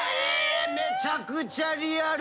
めちゃくちゃリアル！